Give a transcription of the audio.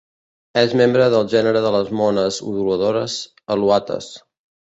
És membre del gènere de les mones udoladores "Aluates".